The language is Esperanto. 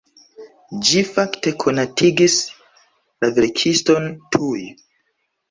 Ĝi fakte konatigis la verkiston tuj.